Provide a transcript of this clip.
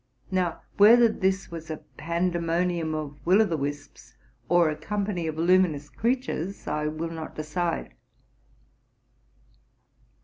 Now, whether this was a pandemonium of will o' the wisps, or a company of luminous creatures, | will not decide.